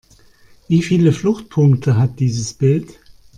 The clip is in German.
Wie viele Fluchtpunkte hat dieses Bild?